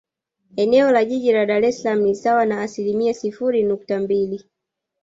Eneo la Jiji la Dar es Salaam ni sawa na asilimia sifuri nukta mbili